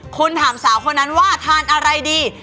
คุณถามสาวคนนั้นว่าทานอะไรดี